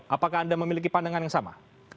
apakah anda memiliki pandangan yang sama